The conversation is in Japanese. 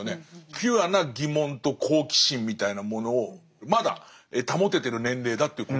ピュアな疑問と好奇心みたいなものをまだ保ててる年齢だということなんですかね。